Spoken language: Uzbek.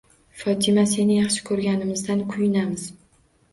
Fotima, seni yaxshi ko'rganimizdan kuyinamiz.